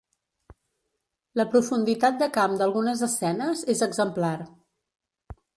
La profunditat de camp d'algunes escenes és exemplar.